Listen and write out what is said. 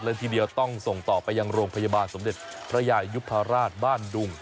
เลยทีเดียวต้องส่งต่อไปยังโรงพยาบาลสมเด็จพระยายยุพราชบ้านดุง